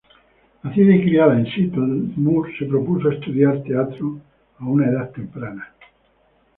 Nacida y criada en Seattle, Moore se propuso estudiar teatro a una edad temprana.